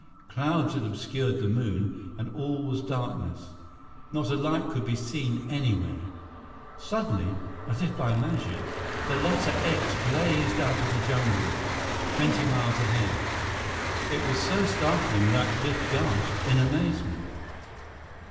Clouds had obscured the moon, and all was darkness. Not a light could be seen anywhere. Suddenly, as if by magic, the letter "X" blazed out of the jungle, twenty miles ahead. It was so startling that Biff gasped in amazement.